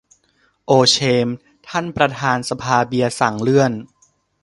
โอเชม ท่านประธานสภาเบียร์สั่งเลื่อน